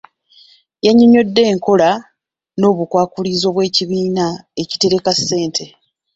Yannyonnyodde enkola n'obukwakkulizo bw'ekibiina ekitereka ssente.